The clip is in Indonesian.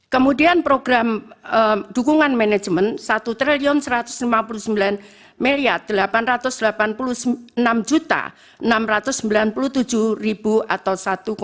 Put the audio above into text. kemudian program dukungan manajemen rp satu satu ratus lima puluh sembilan delapan ratus delapan puluh enam enam ratus sembilan puluh tujuh atau satu